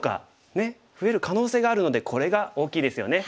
ねえ増える可能性があるのでこれが大きいですよね。